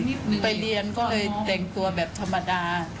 นี่ไปเรียนก็เลยแต่งตัวแบบธรรมดา